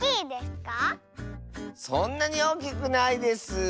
そんなにおおきくないです。